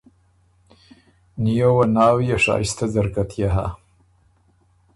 نیووه ناويې شائستۀ ځرکۀ تيې هۀ